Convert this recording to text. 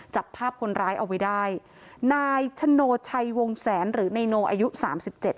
จับภาพคนร้ายเอาไว้ได้นายชโนชัยวงแสนหรือนายโนอายุสามสิบเจ็ด